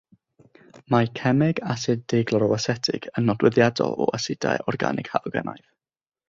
Mae cemeg asid deugloroasetig yn nodweddiadol o asidau organig halogenaidd.